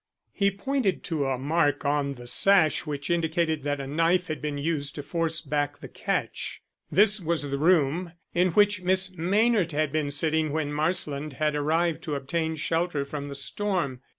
He pointed to a mark on the sash which indicated that a knife had been used to force back the catch. This was the room in which Miss Maynard had been sitting when Marsland had arrived to obtain shelter from the storm.